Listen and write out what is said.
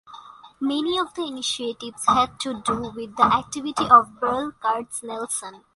Many of the initiatives had to do with the activity of Berl Katznelson.